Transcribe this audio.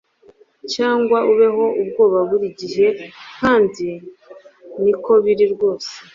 Cyangwa ubeho ubwoba buri gihe kandi niko biri rwose